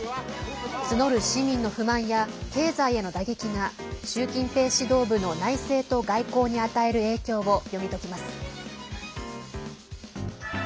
募る市民の不満や経済への打撃が習近平指導部の内政と外交に与える影響を読み解きます。